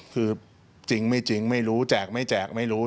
คือจริงไม่จริงไม่รู้แจกไม่แจกไม่รู้